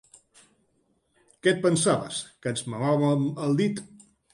Què et pensaves, que ens mamàvem el dit?